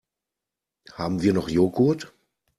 Haben wir noch Joghurt?